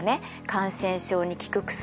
感染症に効く薬